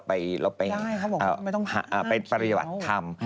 ะไปปริวัติทำ